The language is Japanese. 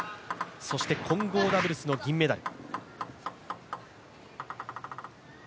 そして混合ダブルスの銀メダル。